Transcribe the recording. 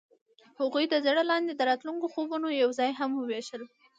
هغوی د زړه لاندې د راتلونکي خوبونه یوځای هم وویشل.